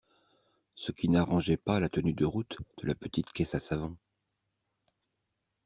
ce qui n’arrangeait pas la tenue de route de la petite caisse à savon.